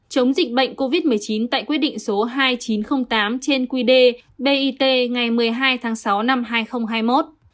chống dịch bệnh covid một mươi chín tại quyết định số hai nghìn chín trăm linh tám trên quy đề bit ngày một mươi hai tháng sáu năm hai nghìn hai mươi một